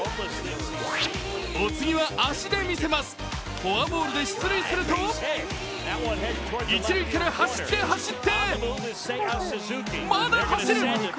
お次は足で見せますフォアボールで出塁すると一塁から走って、走ってまだ走る！